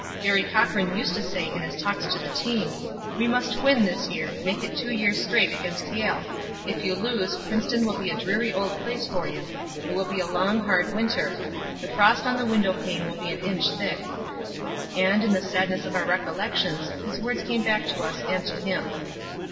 Garry Cochran used to say in his talks to the team: "We must win this year make it two years straight against Yale. If you lose, Princeton will be a dreary old place for you. It will be a long, hard winter. The frost on the window pane will be an inch thick." And, in the sadness of our recollections, his words came back to us and to him.